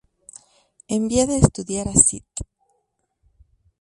Enviada a estudiar a St.